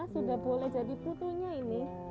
sudah boleh jadi putunya ini